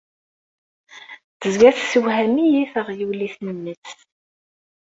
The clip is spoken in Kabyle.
Tezga tessewham-iyi teɣyulit-nnes.